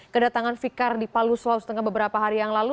kedatangan fikar di palu sulawesi tengah beberapa hari yang lalu